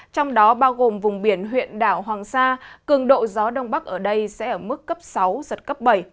trong đó bao gồm vùng biển huyện đảo hoàng sa cường độ gió đông bắc ở đây sẽ ở mức cấp sáu giật cấp bảy